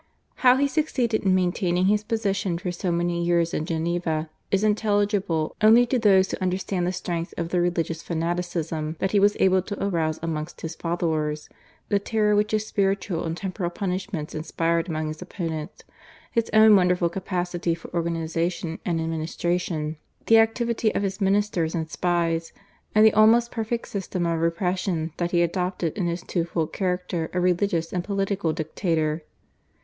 How he succeeded in maintaining his position for so many years in Geneva is intelligible only to those who understand the strength of the religious fanaticism that he was able to arouse amongst his followers, the terror which his spiritual and temporal punishments inspired among his opponents, his own wonderful capacity for organisation and administration, the activity of his ministers and spies, and the almost perfect system of repression that he adopted in his two fold character of religious and political dictator.